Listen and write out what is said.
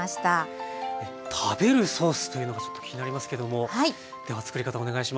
食べるソースというのがちょっと気になりますけどもではつくり方お願いします。